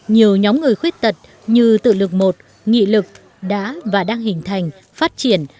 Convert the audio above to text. nhiều nhóm người khuyết tật như tự lực một nghị lực đã và đang hình thành phát triển